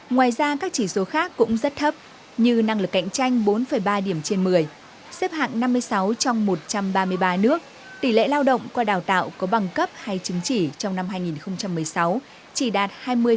ngoài ra các chỉ số khác cũng rất thấp như năng lực cạnh tranh bốn ba điểm trên một mươi xếp hạng năm mươi sáu trong một trăm ba mươi ba nước tỷ lệ lao động qua đào tạo có bằng cấp hay chứng chỉ trong năm hai nghìn một mươi sáu chỉ đạt hai mươi ba